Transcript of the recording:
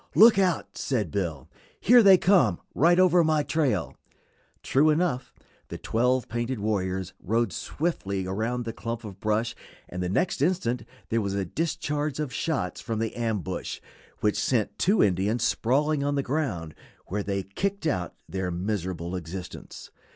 "Look out!" said Bill; "here they come, right over my trail." True enough, the twelve painted warriors rode swiftly around the clump of brush, and the next instant there was a discharge of shots from the ambush which sent two Indians sprawling on the ground, where they kicked out their miserable existence.